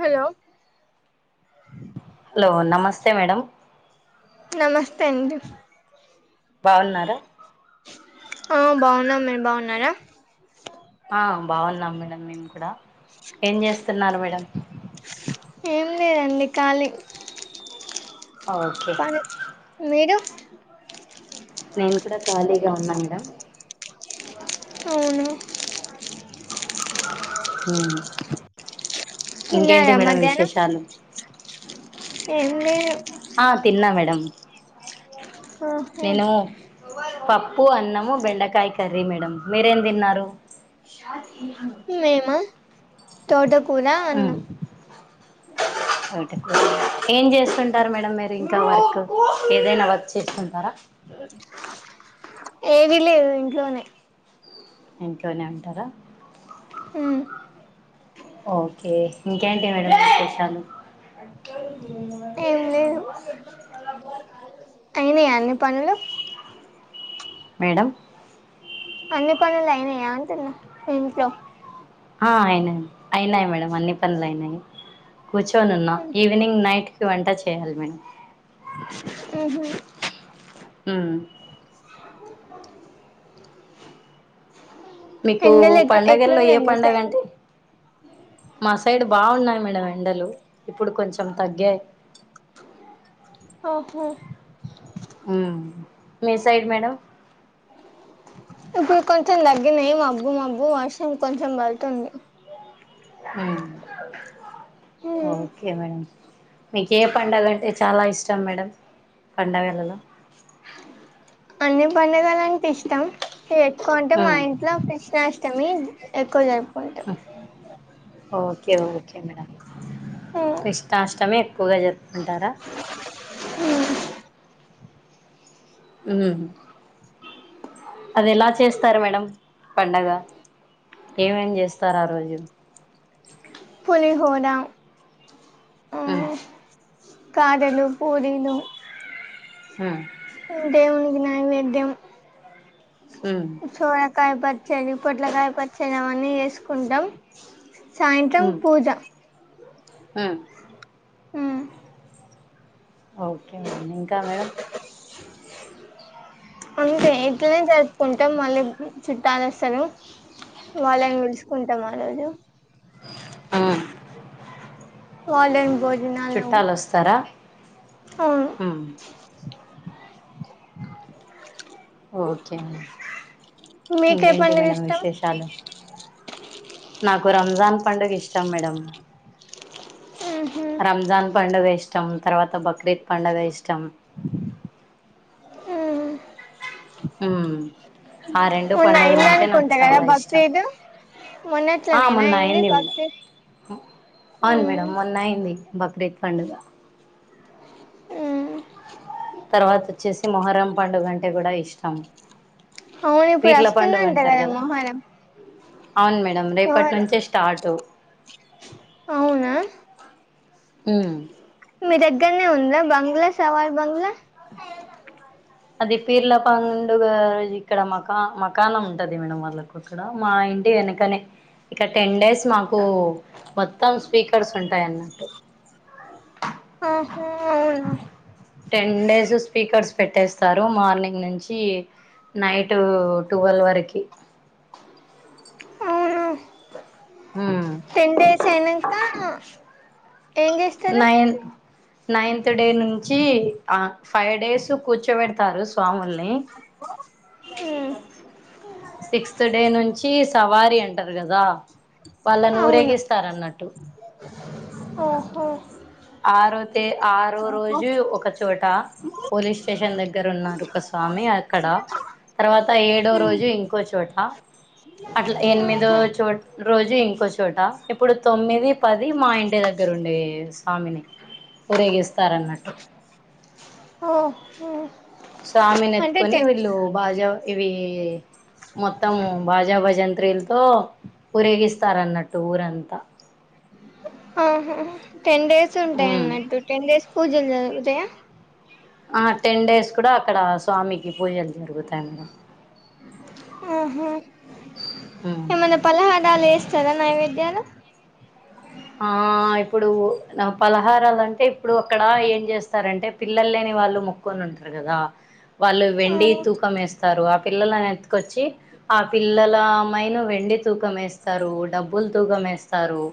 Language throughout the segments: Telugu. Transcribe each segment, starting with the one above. హలో హలో నమస్తే మేడం నమస్తే అండి బాగున్నారా ఆ బాగున్నాం మీరు బాగున్నారా ఆ బాగున్నాం మేడం మేము కూడా ఏం చేస్తున్నారు మేడం ఏం లేదండి ఖాళీ ఓకే పని మీరు నేను కూడా ఖాళీగా ఉన్నా మేడం అవున ఉమ్ ఇంకేంటి తిన్నారా మేడం మధ్యాహ్నం విశేషాలు ఏం లేదు ఆ తిన్నా మేడం ఆహా నేను పప్పు, అన్నము, బెండకాయ కర్రీ మేడం మీరేం దిన్నారు? షాదీ మేమా తోటకూర, అన్నం [inaudible] తోటకూరా ఏం చేస్తుంటారు మేడం మీరు ఇంకా వర్క్ ఏదైనా వర్క్ చేస్తుం టారా ఏదీ లేదు ఇంట్లోనే ఇంట్లోనే ఉంటారా ఉమ్ ఓకే ఇంకేంటి మేడం విశేషాలు [inaudible] ఏం లేదు య అన్ని పనులు మేడం అన్ని పనులైనయా అంటున్నా ఇంట్లో ఆ అయినై అయినై మేడం అన్ని పనులైనై కూర్చొనున్నా ఉమ్. ఈవినింగ్ నైట్ కి వంట చేయాలి మేడం ఉహు ఉ మీకూ ఎండలు ఎట్ పండగల్లో ఎట్లున్నాయి ఏ మీ సైడ్ పండగంటే మా సైడ్ బాగున్నై మేడం ఎండలు ఇప్పుడు కొంచెం తగ్గాయి ఓహో ఉ మీ సైడ్ మేడం ఇప్పుడు కొంచెం తగ్గినయి మబ్బు మబ్బు వర్షం కొంచెం పడుతుంది ఉ ఓకే మేడం మీకు ఏ పండగంటె చాలా ఇష్టం మేడం పండగలలో అన్ని పండగలంటే ఇష్టాం ఎక్కువ అంటే ఉమ్ మా ఇంట్లో కృష్ణాష్టమి ఎక్కువ జరు okay okay madam Krishnashtami ఎక్కువగా జరుపుకుంటారా ఉ అది ఎలా చేస్తారు మేడం పండగ ఏమేం చేస్తారు ఆ రోజు పులిహోర ఉ కారెలు పూరీలు ఉ దేవునికి నైవేద్యం ఉ సోరకాయ పచ్చడి పొట్లకాయ పచ్చడి అవన్నీ చేసుకుంటాం సాయంత్రం పూజ ఆ ఉ ఓకే మేడం ఇంకా మేడం అంతే ఇట్లనే జరుపుకుంటాం మళ్ళీ చుట్టలస్తారు వాళ్ళని విలుసుకుంటాం ఆ రోజు ఆ వలెన్ బో చుట్టాలవస్తారా అవును ఉ ఓకే మేడం మీకే ఇంకేంటి పండుగ మేడం ఇష్టం విశేషాలు నాకు రంజాన్ పండుగ ఇష్టం మేడం ఉహ్ రంజాన్ పండుగ ఇష్టం తర్వాత బక్రీద్ పండుగ ఇష్టం ఉ ఆ రెండు మొన్న అయింది పండుగలంటే నాకు అనుకుంటా కదా చాలా ఇష్టం బక్రీద్ ఆ మొన్నట్లనేనా మొన్న అయింది మేడం బక్రీద్ అవును మ్మ్ మేడం మొన్న అయింది బక్రీద్ పండుగ ఉ తర్వాత వచ్చేసి మొహరం పండుగ అంటే కూడా ఇష్టం అవును ఇప్పుడు పీర్ల పండుగ వస్తుందంట అంటారు కదా గదా. మొహరం అవును మేడం రేపటి మొహరం నుంచే స్టార్ట్ అవునా ఉమ్. మీ దగ్గర్నే ఉందా, బంగ్లా సవార్ బంగ్లా. అది పీర్ల పండుగ ఇక్కడ మకా, మకానం ఉంటది మేడం వాళ్ళకు. ఇక్కడ మా ఇంటి ఎనకనే, ఇక టెన్ డేస్ మాకు మొత్తం స్పీకర్స్ ఉంటాయి అన్నట్టు ఆహా అవునా టెన్ డేస్ స్పీకర్స్ పెట్టేస్ స్తారు, మార్నింగ్ నుంచి నైట్ టువెల్వ్ వరకి. అవును ఉమ్. టెన్ డేస్ అయినంక ఏం జేస్తారు. నైన్ నైన్త్ డే నుంచి, ఆ ఫైవ్ డేస్ కూర్చోబెడతారు స్వాముల్ని. ఉమ్మ్ సిక్స్త్ డే నుంచి సవారి అంటారు గదా, వాళ్ళను అవును ఊరేగిస్తారు అన్నట్టు. ఓహో ఆరోతే ఆరోరోజే ఒకచోట పోలీస్ స్టేషన్ దగ్గరున్నారు ఒక స్వామి, అక్కడ తర్వాత మ్మ్ ఏడోరోజే ఇంకోచోట అట్లా ఎనిమిదో ఆహా చోట్ రోజే ఇంకోచోట, ఇప్పుడు తొమ్మిది పది మా ఇంటి దగ్గరుండే స్వామిని ఊరేగిస్తారన్నట్టు. ఓ హుమ్మ్ స్వామి నెత్కోని వీళ్ళు, బాజా ఇవీ మొత్తం బాజా, భజంత్రీల్తో ఊరేగిస్తారన్నట్టు ఊరంతా. ఆహా టెన్ డేస్ ఉంటై ఉమ్ అన్నట్టు, టెన్ డేస్ పూజలు జరుగుతాయా. ఆ టెన్ డేస్ కూడా అక్కడ స్వామికి పూజలు జరుగుతాయ [unintelligible] ఆహా, ఉమ్ ఏమన్నా పలహారాలేస్తారా నైవేద్యాలు. ఆ ఇప్పుడు నా పలహారాలంటే ఇప్పుడు అక్కడ ఏం జేస్తారంటే. పిల్లల్లేని వాళ్ళు మొక్కొని ఉంటరు గదా. వాళ్ళు వెండి తూకంమేస్తారు, ఆ పిల్లలనెత్కొచ్చి ఆ పిల్లల ఆమైను వెండి తూకం ఏస్తారు, డబ్బులు తూకం ఏస్తారు.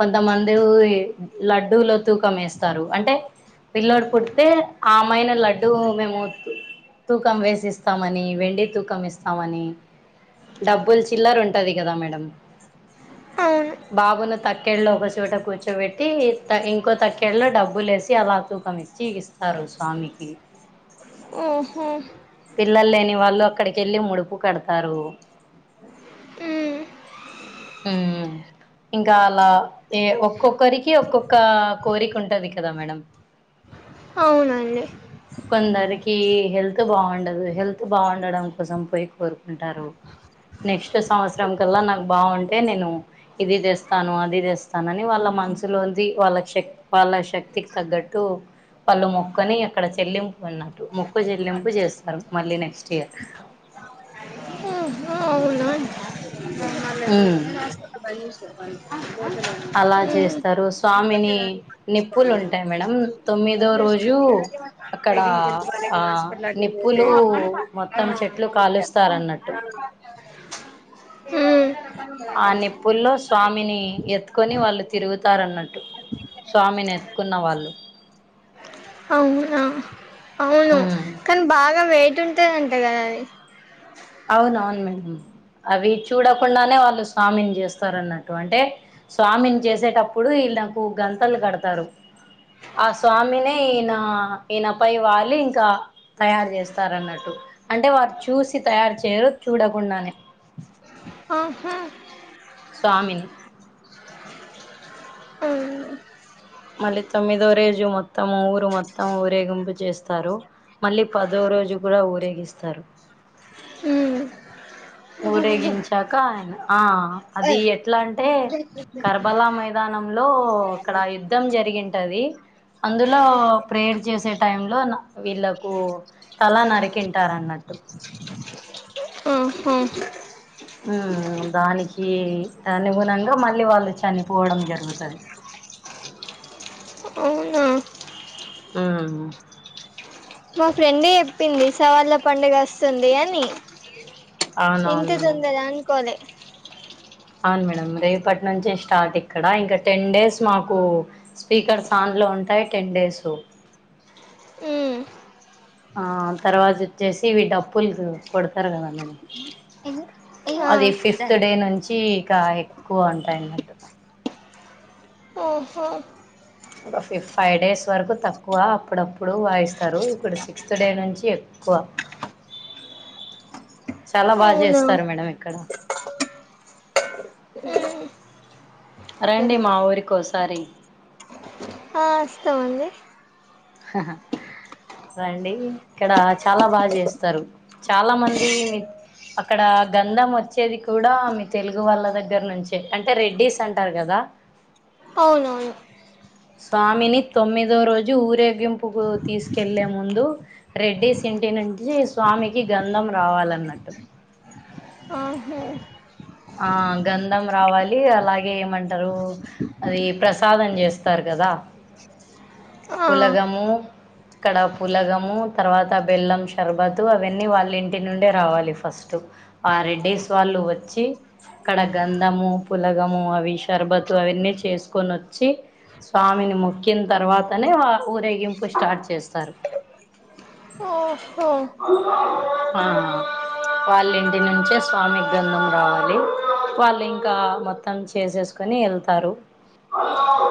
కొంతమంది ఉయే లడ్డూలో తూకంమేస్తారు అంటే, పిల్లోడు పుడ్తే ఆమైనా లడ్డూ మేము తూ తూకం వేసిస్తామని, వెండి తూకం ఇస్తామని. డబ్బుల్ చిల్లర ఉంటది కదా మేడం, అవును బాబును తట్ క్కెళ్ళో ఒక చోట కూర్చోబెట్టి, ఇంకో తక్కెళ్ళలో డబ్బు లేసి అలా తూకమిస్ చ్చి ఇస్తారు స్వామికి ఓహో పిల్లల్లేని వాళ్ళు, అక్కడికెళ్ళి ముడుపు కడ్తారూ. మ్మ్ ఉమ్ ఇంకా అలా ఏ ఒక్కొక్కరికి ఒక్కొక్క కోరికుంటది కదా మేడం. అవునండి కొందరికి హెల్త్ బాగుండదు, హెల్త్ బాగుండడం కోసం పోయి కోరుకుంటారు. నెక్స్ట్ సంవత్సరం కల్లా నాకు బాగుంటే నేను ఇది జేస్ స్తాను, అది తెస్తానని వాళ్ళ మనసులోంది వాళ్ళ శక్, వాళ్ళ శక్తికి తగ్గట్టు వాళ్ళు మొక్కోని అక్కడ చెల్లింపు అన్నట్టు, మొక్క చెల్లింపు చేస్తారు మళ్ళీ నెక్స్ట్ ఇయర్. ఆ అవునండి ఉమ్ [unintelligible] అలా జేస్తారు స్వామిని నిప్పులుంటాయి మేడం తొమ్మిదో రోజు అక్కడా ఆ నిప్పులు మొత్తం చెట్లు కాలుస్తారన్నట్టు మ్మ్. ఆ నిప్పుల్లో స్వామిని ఎత్కోని వాళ్ళు తిరుగుతారన్నట్టు స్వామినెత్కున్న వాళ్ళు ఔనా ఉ కనీ బాగా వెయిట్ ఉంటదంట కదా అది [inaudible] ఔనౌను మేడం అవి చూడకుండానే వాళ్ళు స్వామింజేస్తారు అన్నట్టు అంటే స్వామింజేసేటప్పుడు ఈళ్ళకు గంతలు గడ్తరూ ఆ స్వామినే ఈయన ఈయనపై వాళ్ళి ఇంకా తయారు చేస్తార అన్నట్టు అంటే వారు చూసి తయారు చేయరు చూడకుండానే ఆహా స్వామిని అవును. మళ్ళీ తొమ్మిదో రేజు మొత్తమూ ఊరు మొత్తము ఊరేగింపు జేస్తారు మళ్ళీ పదో రోజు కూడా ఊరేగిస్తారు ఉ ఊరేగించాక ఆయన ఆ అది ఎట్లా అంటే కర్బలా మైదానంలో అక్కడ యుద్ధం జరిగింటది అందులో ప్రేయర్ చేసే టైంలో న వీళ్ళకు తలా నరికింటార అన్నట్ ఓ ఆహా ఉమ్మ్ దానికి అనుగుణంగా మళ్ళీ వాళ్ళు చనిపోడం జరుగుతద్ అవునా ఆ మా ఫ్రెండే ఏప్పింది సవళ్ల పండుగస్తుందీ అని ఇంత అవునవును మేడం తొందర అన్కోలే అవును మేడం రేపట్నుంచే స్టార్ట్ ఇక్కడ ఇంకా టెన్ డేస్ మాకు స్పీకర్స్ ఆన్లో ఉంటాయ్ టెన్ డేసు ఊ ఆ తర్వాత వచ్చేసి ఇవి డప్పుల్కి కొడ్తారు కదా మేడం ఆ అది ఫిఫ్త్ డే నుంచి ఇకా ఎక్కువ ఉంటాయన్నట్టు ఓహో ఒక ఫిఫ్ ఫై డేస్ వరకు తక్కువ అప్పుడప్పుడు వాయిస్తారు ఇప్పుడు సిక్స్త్ డే నుంచి ఎక్కువ చాలా బాగ అవునా జేస్తారు మేడం ఇక్కడ రండి మా ఊరికోసారి హా వస్తమండి హా హా రండి ఇక్కడ చాలా బాగా జేస్తారు చాలా మంది మీక్ అక్కడ గంధం వచ్చేది కూడా మీ తెలుగు వాళ్ళ దగ్గర్నుంచే అంటే రెడ్డిస్ అంటారు గదా అవునవును స్వామిని తొమ్మిదో రోజు ఊరేగింపుకు తీస్కెల్లే ముందు రెడ్డీస్ ఇంటి నుంచి స్వామికి గంధం రావాలన్నట్టు ఆహా ఆ గంధం రావాలి, అలాగే ఏమంటారు. అది, ప్రసాదం, జేస్తారు. గదా ఆ పులగము ఇక్కడ, పులగము, తర్వాత బెల్లం షర్బతు అవన్నీ వాళ్ళింటి నుండే రావాలి. ఫస్టు ఆ రెడ్డిస్ వాళ్ళు వచ్చి అక్కడ గంధము పులగము అవి షర్బతు అవన్నీ చేసుకొనిచ్చి స్వామిని మొక్కిన తర్వాతనే ఆ ఊరేగింపు స్టార్ట్ చేస్తారు. ఓహో, హా వాళ్ళింటి నుంచే స్వామికి గంధం రావాలి. వాళ్ళింకా మొత్తం చేసేస్కుని వెళ్తారు.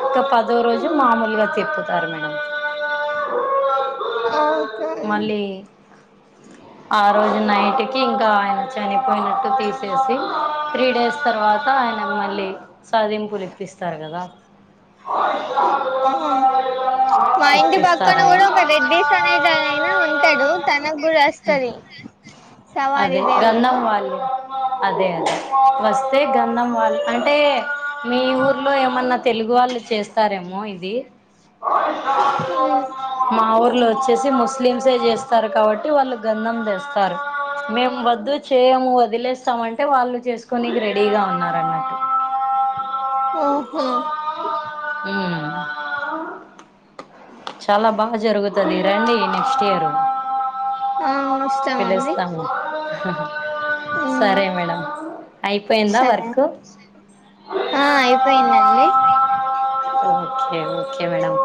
ఇంకా పదో రోజు ఉమ్ మామూలుగా తిప్పుతారు మేడం ఓహో మళ్ళీ ఆ రోజు నైట్ కి ఇంకా ఆయన చనిపోయినట్టు తీసేసి త్రీ డేస్ తర్వాత ఆయన మళ్ళీ సధింపులు ఇప్పిస్తారు కదా ఆ మా ఇంటి పక్కన ఇప్పిస్తారని కూడా ఒక రెడ్డీస్ అనేటైనా ఉంటడు తనగ్గూడస్తది సవారి దేవుడు హల్లు [unintelligible] అదే అదే వస్తే గంధం వాళ్ళు అంటే మీ ఊర్లో ఏమన్నా తెలుగు వాళ్ళు చేస్త తారేమో ఇది ఉమ్ మా ఊర్లో ఒచ్చేసి ముస్లిమ్సే జేస్తారు. కాబట్టి వాళ్ళు గంధం తేస్తారు. మేం వద్దు చేయము, వదిలేస్తామంటే, వాళ్ళు చేస్కొనికి, రెడీగా, ఉన్నారన్నట్టు, ఆహా ఉమ్ చాలా బాగ జరుగుతది ఈడ రండి నెక్స్ట్ ఇయరు ఆహ్ ఔ పిలుస్తాము. ఉమ్ సరే, మేడం, అయిపోయిందా, సరే వర్క్, ఆ అయిపోయిందండి. థ్యాంక్ యూ మేడం,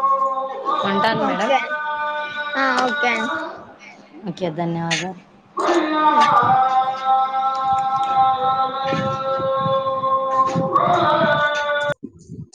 ఉంటాను మేడం ఓకే ఆ ఆహ్ ఓకే అండి ఓకే, ధన్యవాదాలు,